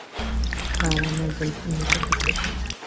আর আমি একজন ফার্নিচার বিক্রেতা।